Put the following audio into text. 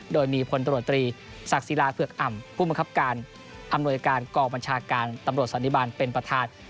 โดยมีพลตรวจตรีศักดิ์ศิลาเผือกอ่ำผู้บังคับการอำนวยการกองบัญชาการตำรวจสันติบาลเป็นประธาน